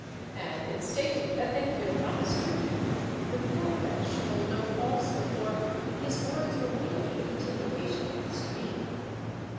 And in stating that they had been promised to him the poor wretch told no false hood, for his words were merely the continuation of his dream.